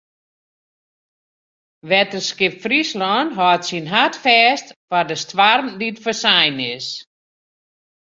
Wetterskip Fryslân hâldt syn hart fêst foar de stoarm dy't foarsein is.